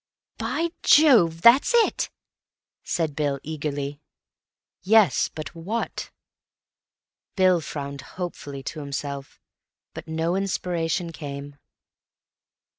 "By Jove, that's it!" said Bill eagerly. "Yes; but what?" Bill frowned hopefully to himself, but no inspiration came.